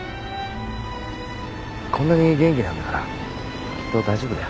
こんなに元気なんだからきっと大丈夫だよ。